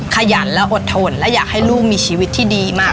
ขยันและอดทนและอยากให้ลูกมีชีวิตที่ดีมาก